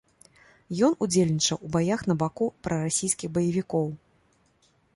Ён удзельнічаў у баях на баку прарасійскіх баевікоў.